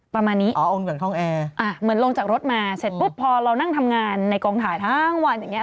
ประมาณนี้เหมือนลงจากรถมาเสร็จปุ๊บพอเรานั่งทำงานในกองถ่ายทั้งวันอย่างเงี้ย